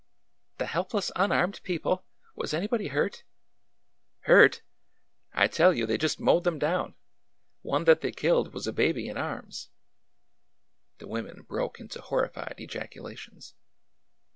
" The helpless, unarmed people? Was anybody hurt? "" Hurt! I tell you, they just mowed them down. One that they killed was a baby in arms." The women broke into horrified ejaculations.